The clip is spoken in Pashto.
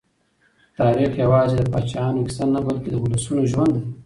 تاریخ یوازې د پاچاهانو کیسه نه، بلکې د ولسونو ژوند دی.